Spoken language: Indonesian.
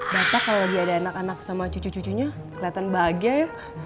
bapak kalau lagi ada anak anak sama cucu cucunya kelihatan bahagia ya